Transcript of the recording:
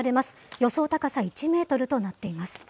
予想高さ１メートルとなっています。